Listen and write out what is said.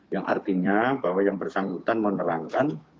yang artinya bahwa yang bersangkutan menerangkan